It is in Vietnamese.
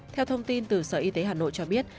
theo thông tin từ sở y tế hà nội cho biết